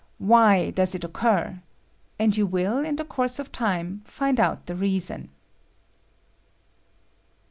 Why does it occur?" and you will, in the course of time, find out the reason.